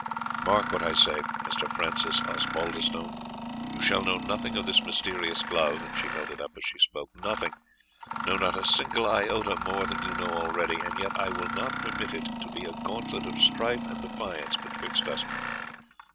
Mark what I say, Mr. Francis Osbaldistone. You shall know nothing of this mysterious glove," and she held it up as she spoke "nothing no, not a single iota more than you know already; and yet I will not permit it to be a gauntlet of strife and defiance betwixt us.